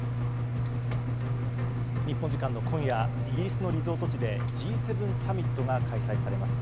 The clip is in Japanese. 日本時間の今夜イギリスのリゾート地でＧ７サミットが開催されます。